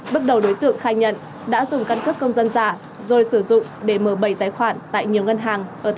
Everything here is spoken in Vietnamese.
bước đầu đối tượng khai nhận đã dùng căn cấp công dân giả